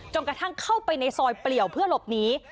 กระทั่งเข้าไปในซอยเปลี่ยวเพื่อหลบหนี